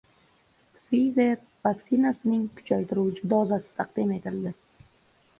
Pfizer vaksinasining kuchaytiruvchi dozasi taqdim etildi